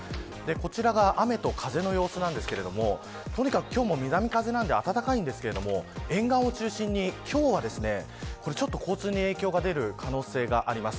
こちらが雨と風の様子なんですが今日も南風なので暖かいですが沿岸を中心に今日は交通に影響が出る可能性があります。